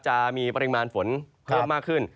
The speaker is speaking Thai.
จะมีปริมาณฝนเพิ่มมากขึ้น